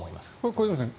小泉さん